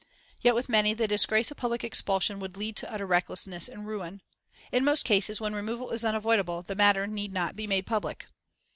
Yet with many the disgrace of public expulsion would lead to utter recklessness and ruin. In most cases when removal is unavoidable, the matter need not be made public.